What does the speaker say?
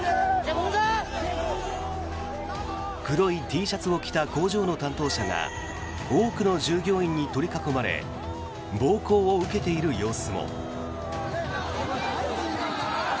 黒いＴシャツを着た工場の担当者が多くの従業員に取り囲まれ暴行を受けている様子も。